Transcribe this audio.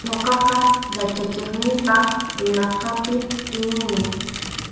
Ñuqaqa yachachiqniypa rimasqanpi iñini.